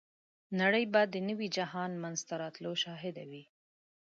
نړۍ به د نوي جهان منځته راتلو شاهده وي.